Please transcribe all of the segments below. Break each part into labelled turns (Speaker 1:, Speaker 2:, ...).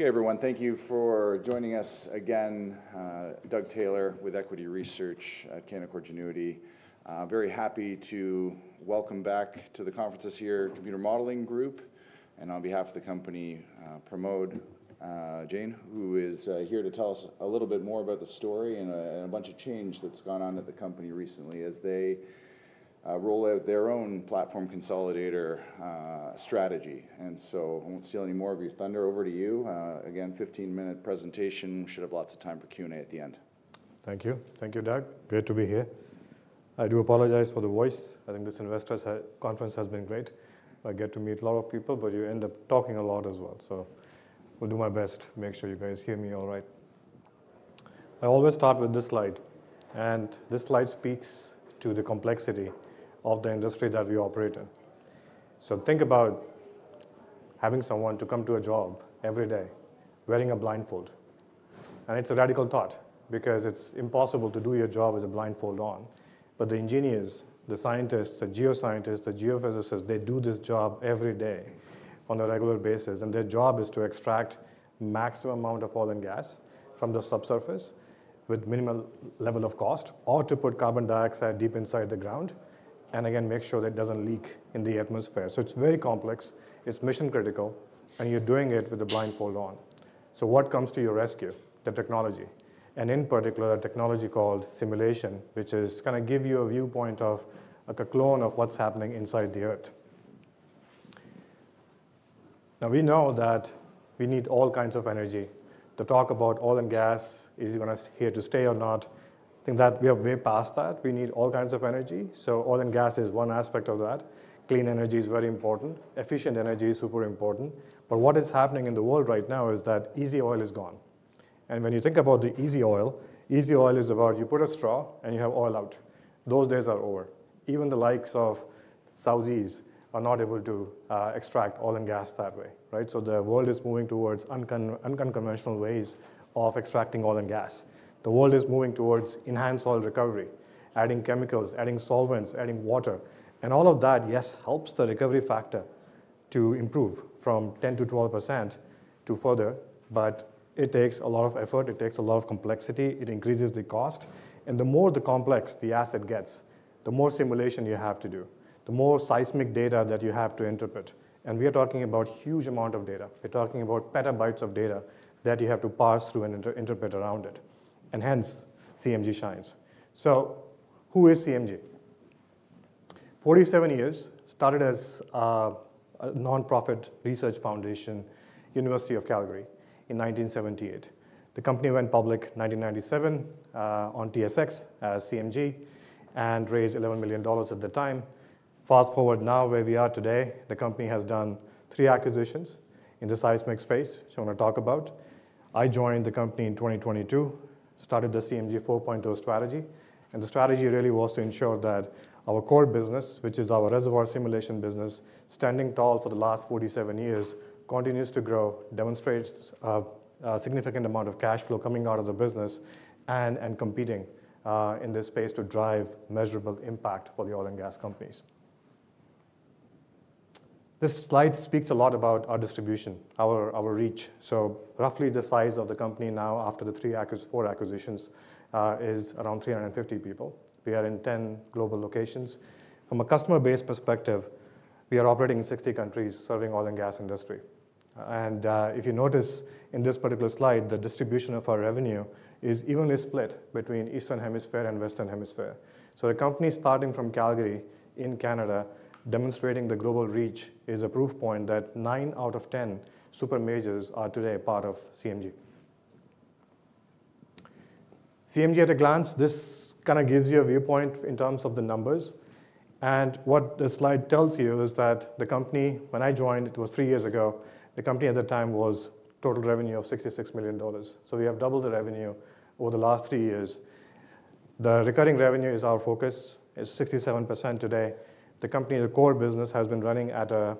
Speaker 1: Okay, everyone, thank you for joining us again. Doug Taylor with Equity Research, Canaccord Genuity. Very happy to welcome back to the conference this year, Computer Modelling Group, and on behalf of the company, Pramod Jain, who is here to tell us a little bit more about the story and a bunch of change that's gone on at the company recently as they roll out their own platform consolidator strategy. I won't steal any more of your thunder. Over to you. Again, 15-minute presentation. We should have lots of time for Q&A at the end.
Speaker 2: Thank you. Thank you, Doug. Great to be here. I do apologize for the voice. I think this investor's conference has been great. I get to meet a lot of people, but you end up talking a lot as well. I'll do my best to make sure you guys hear me all right. I always start with this slide, and this slide speaks to the complexity of the industry that we operate in. Think about having someone come to a job every day wearing a blindfold. It's a radical thought because it's impossible to do your job with a blindfold on. The engineers, the scientists, the geoscientists, the geophysicists, they do this job every day on a regular basis, and their job is to extract a maximum amount of oil and gas from the subsurface with a minimal level of cost, or to put carbon dioxide deep inside the ground and again make sure that it doesn't leak in the atmosphere. It's very complex. It's mission-critical, and you're doing it with a blindfold on. What comes to your rescue? The technology, and in particular, a technology called simulation, which is going to give you a viewpoint of a clone of what's happening inside the Earth. We know that we need all kinds of energy. To talk about oil and gas, is it going to be here to stay or not? I think that we are way past that. We need all kinds of energy. Oil and gas is one aspect of that. Clean energy is very important. Efficient energy is super important. What is happening in the world right now is that easy oil is gone. When you think about the easy oil, easy oil is about you put a straw and you have oil out. Those days are over. Even the likes of the Southeast are not able to extract oil and gas that way. The world is moving towards unconventional ways of extracting oil and gas. The world is moving towards enhanced oil recovery, adding chemicals, adding solvents, adding water, and all of that, yes, helps the recovery factor to improve from 10% to 12% to further. It takes a lot of effort. It takes a lot of complexity. It increases the cost. The more complex the asset gets, the more simulation you have to do, the more seismic data that you have to interpret. We are talking about a huge amount of data. We're talking about petabytes of data that you have to pass through and interpret around it. Hence, CMG shines. Who is CMG? 47 years. Started as a nonprofit research foundation, University of Calgary in 1978. The company went public in 1997 on TSX as CMG and raised $11 million at the time. Fast forward now where we are today. The company has done three acquisitions in the seismic space, which I want to talk about. I joined the company in 2022, started the CMG 4.0 Strategy, and the strategy really was to ensure that our core business, which is our reservoir simulation business, standing tall for the last 47 years, continues to grow, demonstrates a significant amount of cash flow coming out of the business, and competing in this space to drive measurable impact for the oil and gas companies. This slide speaks a lot about our distribution, our reach. Roughly the size of the company now, after the three acquisitions, is around 350 people. We are in 10 global locations. From a customer-based perspective, we are operating in 60 countries serving the oil and gas industry. If you notice in this particular slide, the distribution of our revenue is evenly split between the Eastern Hemisphere and the Western Hemisphere. A company starting from Calgary in Canada, demonstrating the global reach, is a proof point that nine out of 10 super majors are today part of CMG. CMG at a glance, this kind of gives you a viewpoint in terms of the numbers. What the slide tells you is that the company, when I joined, it was three years ago. The company at the time was a total revenue of $66 million. We have doubled the revenue over the last three years. The recurring revenue is our focus. It's 67% today. The company, the core business, has been running at an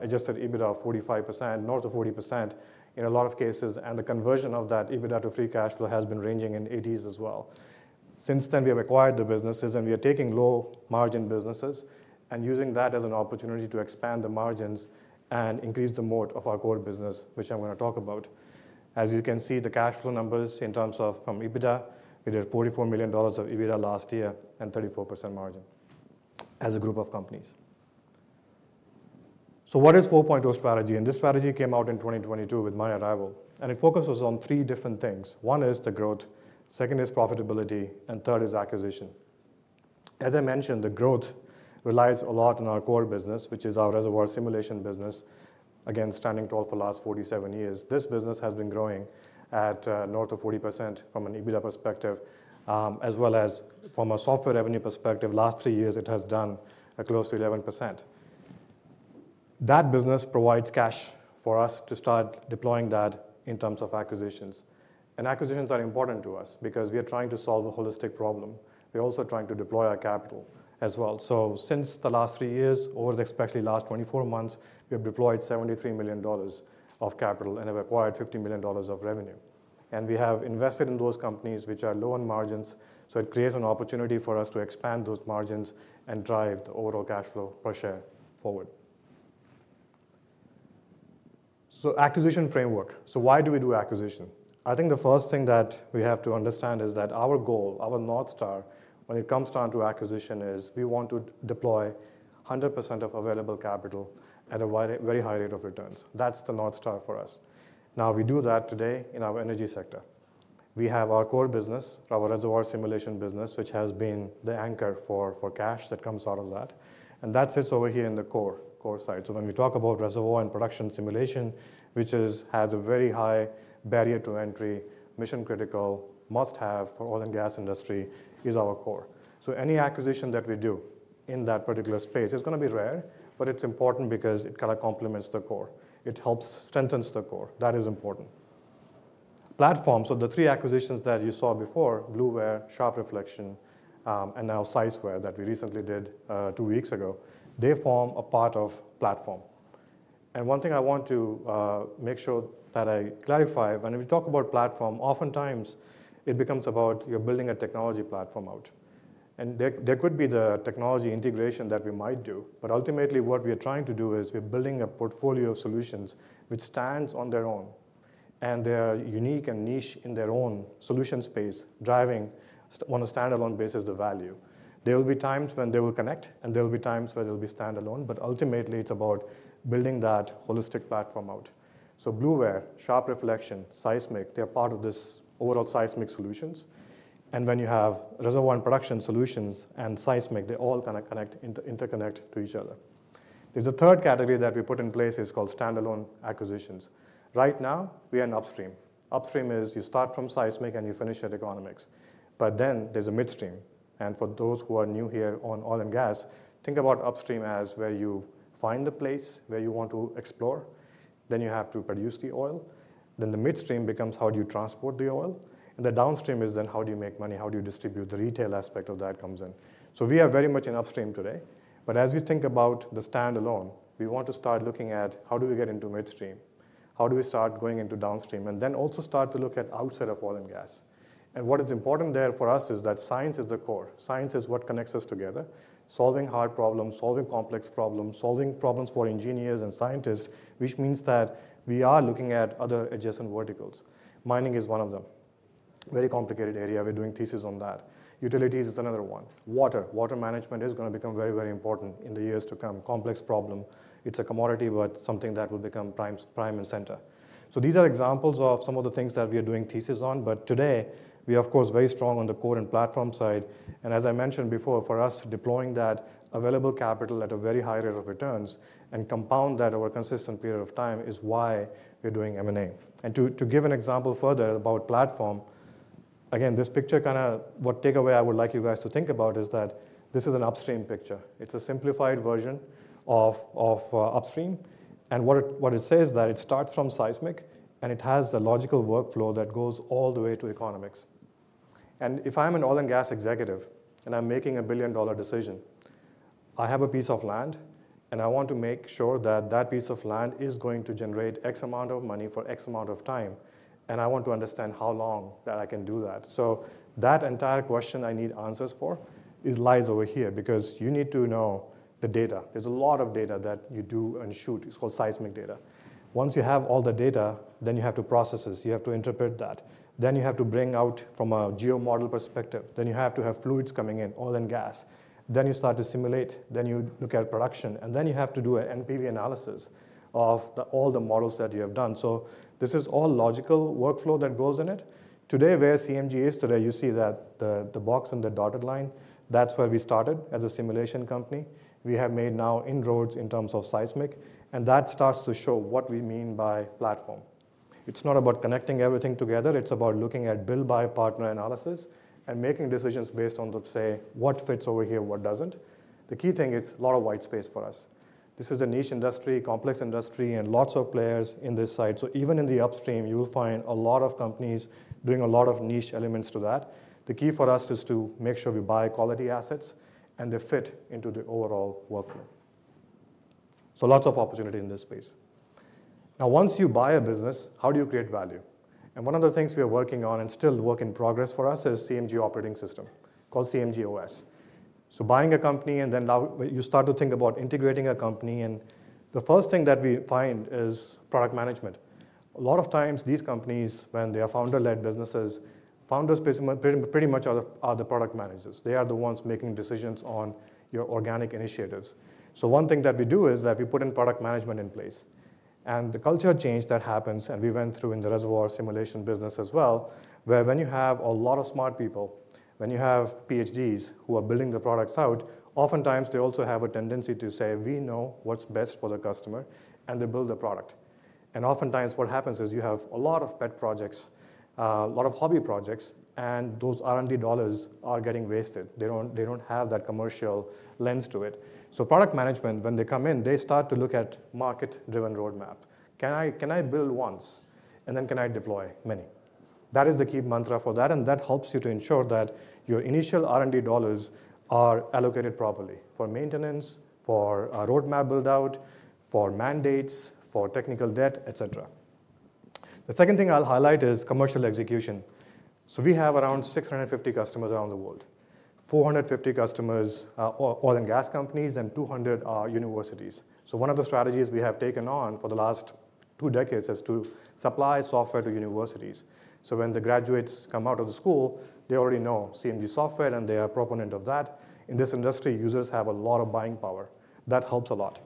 Speaker 2: adjusted EBITDA of 45%, north of 40% in a lot of cases. The conversion of that EBITDA to free cash flow has been ranging in the 80s percent as well. Since then, we have acquired the businesses and we are taking low margin businesses and using that as an opportunity to expand the margins and increase the moat of our core business, which I'm going to talk about. As you can see, the cash flow numbers in terms of EBITDA, we did $44 million of EBITDA last year and 34% margin as a group of companies. What is 4.0 Strategy? This strategy came out in 2022 with my arrival, and it focuses on three different things. One is the growth. Second is profitability. Third is acquisition. As I mentioned, the growth relies a lot on our core business, which is our reservoir simulation business. Again, standing tall for the last 47 years, this business has been growing at north of 40% from an EBITDA perspective, as well as from a software revenue perspective. The last three years, it has done close to 11%. That business provides cash for us to start deploying that in terms of acquisitions. Acquisitions are important to us because we are trying to solve a holistic problem. We are also trying to deploy our capital as well. Since the last three years, over the especially last 24 months, we have deployed $73 million of capital and have acquired $50 million of revenue. We have invested in those companies which are low on margins. It creates an opportunity for us to expand those margins and drive the overall cash flow per share forward. Acquisition framework. Why do we do acquisition? I think the first thing that we have to understand is that our goal, our North Star, when it comes down to acquisition, is we want to deploy 100% of available capital at a very high rate of returns. That's the North Star for us. We do that today in our energy sector. We have our core business, our reservoir simulation business, which has been the anchor for cash that comes out of that. That sits over here in the core core site. When we talk about reservoir and production simulation, which has a very high barrier to entry, mission-critical must-have for the oil and gas industry, is our core. Any acquisition that we do in that particular space is going to be rare, but it's important because it kind of complements the core. It helps strengthen the core. That is important. Platform. The three acquisitions that you saw before, Bluware, Sharp Reflections, and now SeisWare that we recently did two weeks ago, they form a part of the platform. One thing I want to make sure that I clarify, when we talk about platform, oftentimes it becomes about you're building a technology platform out. There could be the technology integration that we might do. Ultimately, what we are trying to do is we're building a portfolio of solutions which stand on their own and they are unique and niche in their own solution space, driving on a standalone basis the value. There will be times when they will connect and there will be times where they'll be standalone. Ultimately, it's about building that holistic platform out. Bluware, Sharp Reflections, seismic, they are part of this overall seismic solutions. When you have reservoir and production solutions and seismic, they all kind of connect, interconnect to each other. There's a third category that we put in place called standalone acquisitions. Right now, we are in upstream. Upstream is you start from seismic and you finish at economics. There is a midstream. For those who are new here on oil and gas, think about upstream as where you find the place where you want to explore. You have to produce the oil. The midstream becomes how do you transport the oil? The downstream is how do you make money? How do you distribute, the retail aspect of that comes in? We are very much in upstream today. As we think about the standalone, we want to start looking at how do we get into midstream? How do we start going into downstream? We also start to look at the outside of oil and gas. What is important there for us is that science is the core. Science is what connects us together. Solving hard problems, solving complex problems, solving problems for engineers and scientists, which means that we are looking at other adjacent verticals. Mining is one of them. Very complicated area. We're doing thesis on that. Utilities is another one. Water. Water management is going to become very, very important in the years to come. Complex problem. It's a commodity, but something that will become prime and center. These are examples of some of the things that we are doing thesis on. Today, we are, of course, very strong on the core and platform side. As I mentioned before, for us, deploying that available capital at a very high rate of returns and compound that over a consistent period of time is why we're doing M&A. To give an example further about platform, again, this picture, what takeaway I would like you guys to think about is that this is an upstream picture. It's a simplified version of upstream. What it says is that it starts from seismic and it has a logical workflow that goes all the way to economics. If I'm an oil and gas executive and I'm making a billion-dollar decision, I have a piece of land and I want to make sure that that piece of land is going to generate X amount of money for X amount of time. I want to understand how long that I can do that. That entire question I need answers for lies over here because you need to know the data. There's a lot of data that you do and shoot. It's called seismic data. Once you have all the data, then you have to process this. You have to interpret that. Then you have to bring out from a geomodel perspective. You have to have fluids coming in, oil and gas. You start to simulate. You look at production. You have to do an NPV analysis of all the models that you have done. This is all logical workflow that goes in it. Today, where CMG is today, you see that the box and the dotted line, that's where we started as a simulation company. We have made now inroads in terms of seismic. That starts to show what we mean by platform. It's not about connecting everything together. It's about looking at build-buy-partner analysis and making decisions based on, let's say, what fits over here, what doesn't. The key thing is a lot of white space for us. This is a niche industry, complex industry, and lots of players in this site. Even in the upstream, you'll find a lot of companies doing a lot of niche elements to that. The key for us is to make sure we buy quality assets and they fit into the overall workflow. Lots of opportunity in this space. Now, once you buy a business, how do you create value? One of the things we are working on and still work in progress for us is a CMG Operating System called CMG OS. Buying a company, and then now you start to think about integrating a company. The first thing that we find is product management. A lot of times, these companies, when they are Founder-led businesses, Founders pretty much are the product managers. They are the ones making decisions on your organic initiatives. One thing that we do is that we put in product management in place. The culture change that happens, and we went through in the reservoir simulation business as well, where when you have a lot of smart people, when you have PhDs who are building the products out, oftentimes they also have a tendency to say, we know what's best for the customer, and they build the product. Oftentimes what happens is you have a lot of pet projects, a lot of hobby projects, and those R&D dollars are getting wasted. They don't have that commercial lens to it. Product management, when they come in, they start to look at a market-driven roadmap. Can I build once and then can I deploy many? That is the key mantra for that. That helps you to ensure that your initial R&D dollars are allocated properly for maintenance, for roadmap build-out, for mandates, for technical debt, etc. The second thing I'll highlight is commercial execution. We have around 650 customers around the world, 450 customers are oil and gas companies, and 200 are universities. One of the strategies we have taken on for the last two decades is to supply software to universities. When the graduates come out of the school, they already know CMG software and they are a proponent of that. In this industry, users have a lot of buying power. That helps a lot.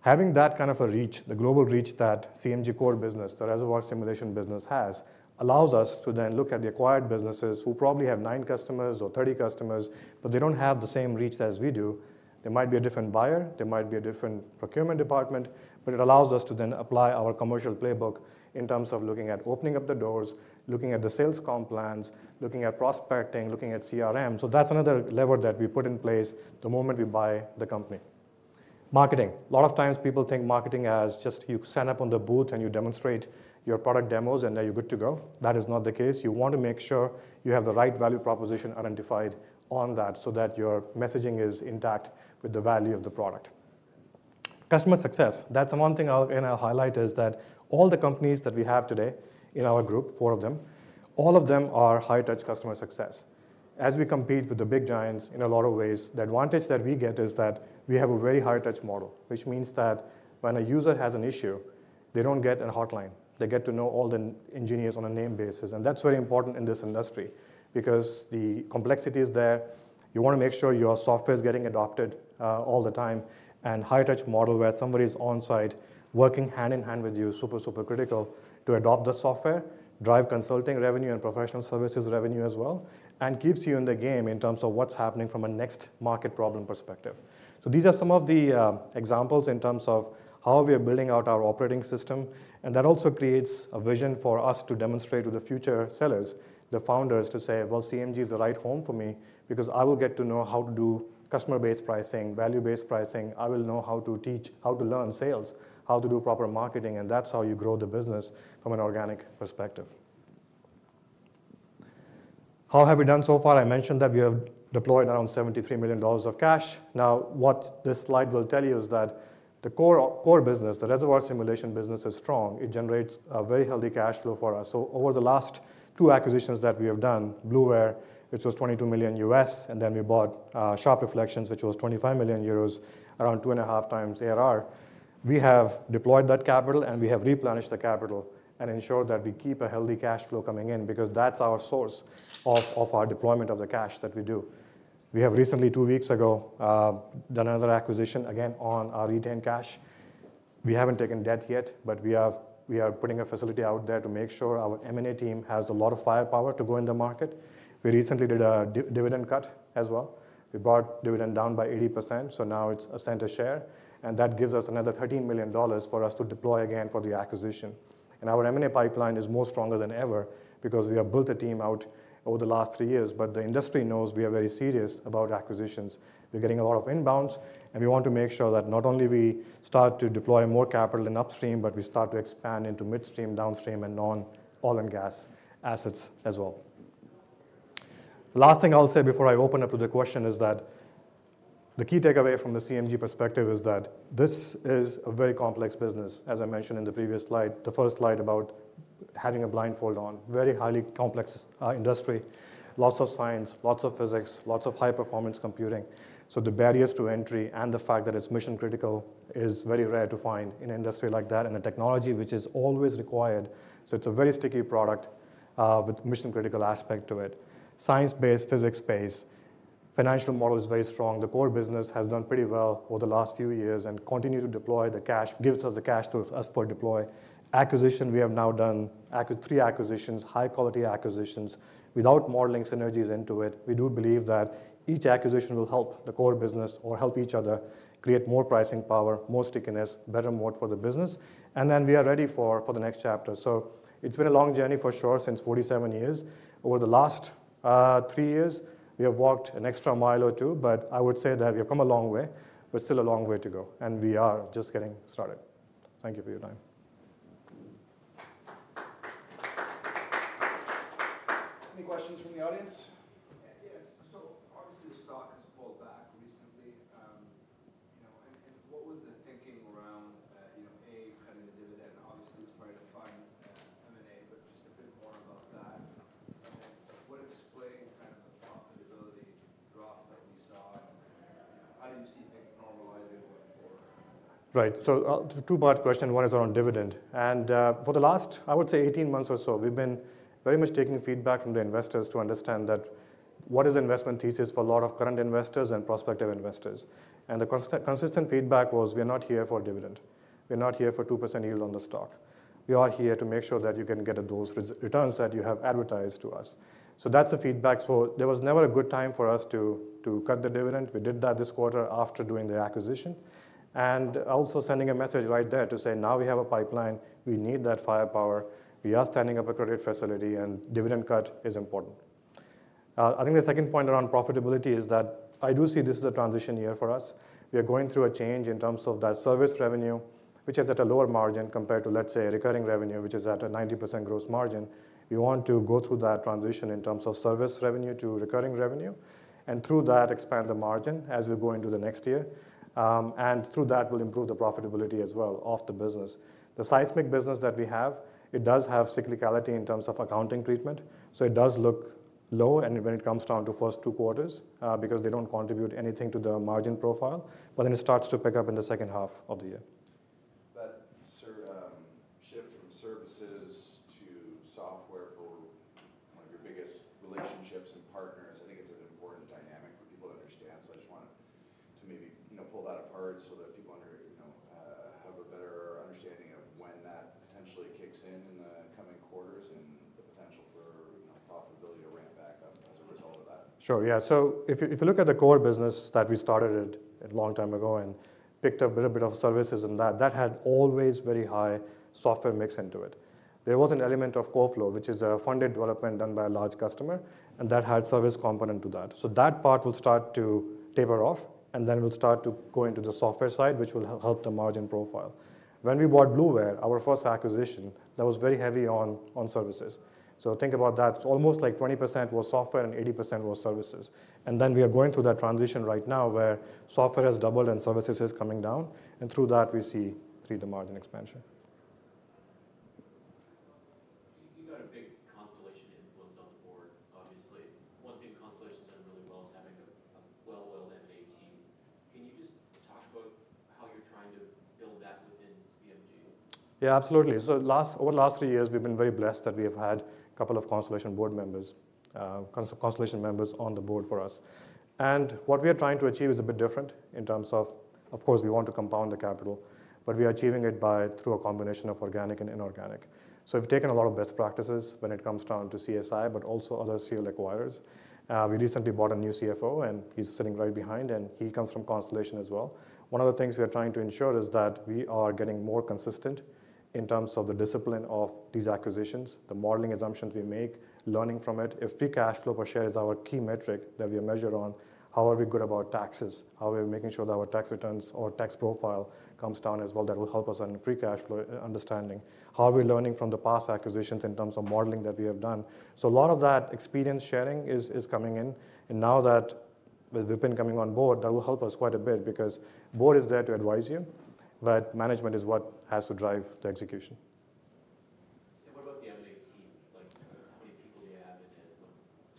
Speaker 2: Having that kind of a reach, the global reach that CMG core business, the reservoir simulation business has, allows us to then look at the acquired businesses who probably have nine customers or 30 customers, but they don't have the same reach as we do. They might be a different buyer. They might be a different procurement department. It allows us to then apply our commercial playbook in terms of looking at opening up the doors, looking at the sales comp plans, looking at prospecting, looking at CRM. That's another lever that we put in place the moment we buy the company. Marketing. A lot of times people think marketing as just you sign up on the booth and you demonstrate your product demos and then you're good to go. That is not the case. You want to make sure you have the right value proposition identified on that so that your messaging is intact with the value of the product. Customer success. That's the one thing I'll highlight is that all the companies that we have today in our group, four of them, all of them are high-touch customer success. As we compete with the big giants in a lot of ways, the advantage that we get is that we have a very high-touch model, which means that when a user has an issue, they don't get a hotline. They get to know all the engineers on a name basis. That's very important in this industry because the complexity is there. You want to make sure your software is getting adopted all the time. A high-touch model where somebody is on site, working hand in hand with you is super, super critical to adopt the software, drive consulting revenue and professional services revenue as well, and keeps you in the game in terms of what's happening from a next market problem perspective. These are some of the examples in terms of how we are building out our operating system. That also creates a vision for us to demonstrate to future sellers, the Founders, to say CMG is the right home for me because I will get to know how to do customer-based pricing, value-based pricing. I will know how to teach, how to learn sales, how to do proper marketing. That's how you grow the business from an organic perspective. How have we done so far? I mentioned that we have deployed around $73 million of cash. What this slide will tell you is that the core business, the reservoir simulation business, is strong. It generates a very healthy cash flow for us. Over the last two acquisitions that we have done, Bluware, which was $22 million U.S., and then we bought Sharp Reflections, which was 25 million euros, around 2.5x ARR. We have deployed that capital and we have replenished the capital and ensured that we keep a healthy cash flow coming in because that's our source of our deployment of the cash that we do. We have recently, two weeks ago, done another acquisition again on our retained cash. We haven't taken debt yet, but we are putting a credit facility out there to make sure our M&A team has a lot of firepower to go in the market. We recently did a dividend cut as well. We brought dividend down by 80%. Now it's $0.01 a share. That gives us another $13 million for us to deploy again for the acquisition. Our M&A pipeline is stronger than ever because we have built a team out over the last three years. The industry knows we are very serious about acquisitions. We're getting a lot of inbounds. We want to make sure that not only do we start to deploy more capital in upstream, but we start to expand into midstream, downstream, and non-oil and gas assets as well. The last thing I'll say before I open up to the question is that the key takeaway from the CMG perspective is that this is a very complex business. As I mentioned in the previous slide, the first slide about having a blindfold on, very highly complex industry, lots of science, lots of physics, lots of high-performance computing. The barriers to entry and the fact that it's mission-critical is very rare to find in an industry like that and the technology which is always required. It's a very sticky product with a mission-critical aspect to it. Science-based, physics-based, financial model is very strong. The core business has done pretty well over the last few years and continues to deploy the cash. It gives us the cash flow for deploy. Acquisition, we have now done three acquisitions, high-quality acquisitions without modeling synergies into it. We do believe that each acquisition will help the core business or help each other create more pricing power, more stickiness, better moat for the business. We are ready for the next chapter. It's been a long journey for sure since 47 years. Over the last three years, we have walked an extra mile or two, but I would say that we have come a long way. We're still a long way to go. We are just getting started. Thank you for your time.
Speaker 1: Any questions from the audience? Yes. Obviously, stock has fallen back recently. You know, what was the thinking around, you know, A, having a dividend? Obviously, it's great to fund M&A, but just a bit more about that. What is playing kind of the profitability?
Speaker 2: Right. Two-part question. One is around dividend. For the last, I would say, 18 months or so, we've been very much taking feedback from the investors to understand what is the investment thesis for a lot of current investors and prospective investors. The consistent feedback was, we are not here for a dividend. We're not here for a 2% yield on the stock. We are here to make sure that you can get those returns that you have advertised to us. That's the feedback. There was never a good time for us to cut the dividend. We did that this quarter after doing the acquisition and also sending a message right there to say, now we have a pipeline. We need that firepower. We are standing up a credit facility and dividend cut is important. The second point around profitability is that I do see this is a transition year for us. We are going through a change in terms of that service revenue, which is at a lower margin compared to, let's say, recurring revenue, which is at a 90% gross margin. You want to go through that transition in terms of service revenue to recurring revenue and through that expand the margin as we go into the next year. Through that, we'll improve the profitability as well of the business. The seismic business that we have does have cyclicality in terms of accounting treatment. It does look low when it comes down to the first two quarters because they don't contribute anything to the margin profile, but then it starts to pick up in the second half of the year. That shift from services to software for one of your biggest relationships and partners is an important dynamic for people to understand. I just want to maybe pull that apart so that people understand, you know, have a better understanding of when that potentially kicks in. Sure. Yeah. If you look at the core business that we started a long time ago and picked up a little bit of services in that, that had always a very high software mix into it. There was an element of CoFlow, which is a funded development done by a large customer, and that had a service component to that. That part will start to taper off, and we'll start to go into the software side, which will help the margin profile. When we bought Bluware, our first acquisition, that was very heavy on services. Think about that. It's almost like 20% was software and 80% was services. We are going through that transition right now where software has doubled and services are coming down. Through that, we see the margin expansion. For example, obviously, one thing Constellation has done really well is having a well, well M&A team. Yeah, absolutely. Over the last three years, we've been very blessed that we have had a couple of Constellation members on the board for us. What we are trying to achieve is a bit different in terms of, of course, we want to compound the capital, but we are achieving it by a combination of organic and inorganic. We've taken a lot of best practices when it comes down to CSI, but also other serial acquirers. We recently brought a new CFO, and he's sitting right behind, and he comes from Constellation as well. One of the things we are trying to ensure is that we are getting more consistent in terms of the discipline of these acquisitions, the modeling assumptions we make, learning from it. If free cash flow per share is our key metric that we measure on, how are we good about taxes? How are we making sure that our tax returns or tax profile comes down as well? That will help us in free cash flow understanding. How are we learning from the past acquisitions in terms of modeling that we have done? A lot of that experience sharing is coming in. Now that we've been coming on board, that will help us quite a bit because the Board is there to advise you, but management is what has to drive the execution.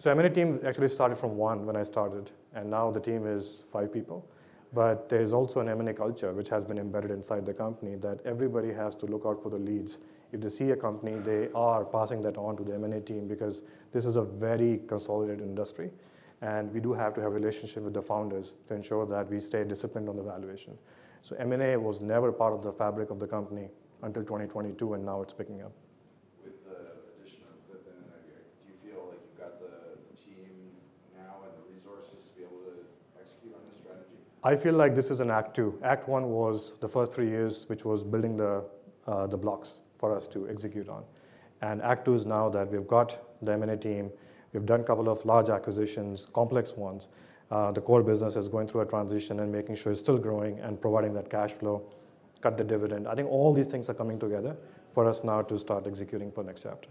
Speaker 2: The M&A team actually started from one when I started, and now the team is five people. There is also an M&A culture, which has been embedded inside the company, that everybody has to look out for the leads. If they see a company, they are passing that on to the M&A team because this is a very consolidated industry. We do have to have a relationship with the Founders to ensure that we stay disciplined on the valuation. M&A was never part of the fabric of the company until 2022, and now it's picking up. With the additional equipment, do you feel? I feel like this is an act two. Act one was the first three years, which was building the blocks for us to execute on. Act two is now that we've got the M&A team, we've done a couple of large acquisitions, complex ones. The core business is going through a transition and making sure it's still growing and providing that cash flow, cut the dividend. I think all these things are coming together for us now to start executing for the next chapter.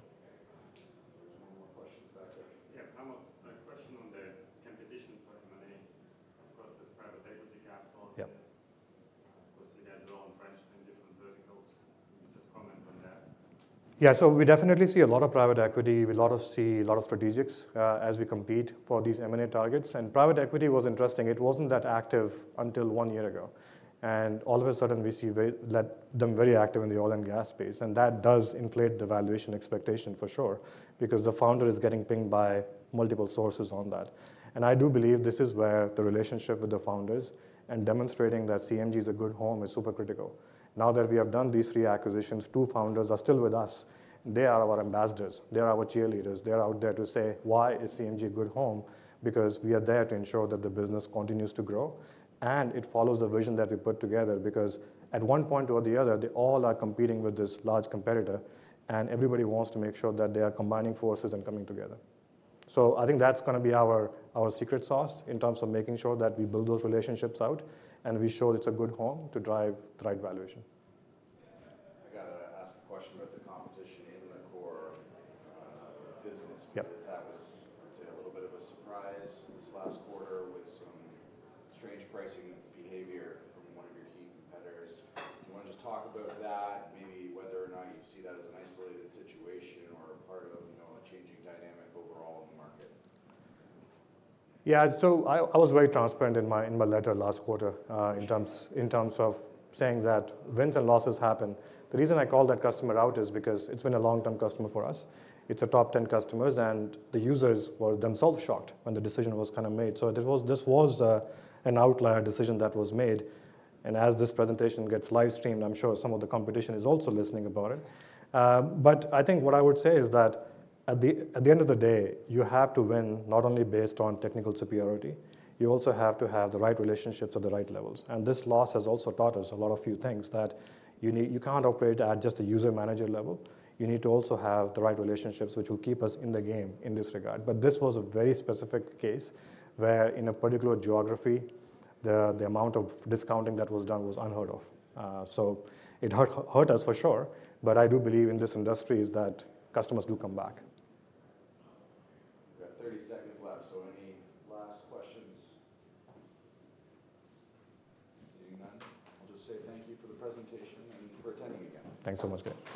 Speaker 1: There's one more question back there. Yeah, I have a question on the competition for M&A. Of course, there's private equity app. Yeah, most of these guys are all in French.
Speaker 2: Yeah. We definitely see a lot of private equity. We see a lot of strategics as we compete for these M&A targets. Private equity was interesting. It wasn't that active until one year ago. All of a sudden, we see them very active in the oil and gas space. That does inflate the valuation expectation for sure because the Founder is getting pinged by multiple sources on that. I do believe this is where the relationship with the Founders and demonstrating that CMG is a good home is super critical. Now that we have done these three acquisitions, two Founders are still with us. They are our ambassadors. They are our cheerleaders. They are out there to say, why is CMG a good home? We are there to ensure that the business continues to grow and it follows the vision that we put together. At one point or the other, they all are competing with this large competitor and everybody wants to make sure that they are combining forces and coming together. I think that's going to be our secret sauce in terms of making sure that we build those relationships out and we show it's a good home to drive the right valuation. I got to ask a question with the competition in the core business. I'd say a little bit of a surprise this last quarter with some strange pricing behavior of one of your key competitors. Do you want to just talk about that, maybe whether or not you see that as an isolated situation or a part of a changing dynamic overall in the market? Yeah. I was very transparent in my letter last quarter in terms of saying that wins and losses happen. The reason I called that customer out is because it's been a long-term customer for us. It's a top 10 customer, and the users were themselves shocked when the decision was kind of made. This was an outlier decision that was made. As this presentation gets live streamed, I'm sure some of the competition is also listening about it. I think what I would say is that at the end of the day, you have to win not only based on technical superiority, you also have to have the right relationships at the right levels. This loss has also taught us a lot of few things that you can't operate at just a user manager level. You need to also have the right relationships, which will keep us in the game in this regard. This was a very specific case where in a particular geography, the amount of discounting that was done was unheard of. It hurt us for sure, but I do believe in this industry that customers will come back.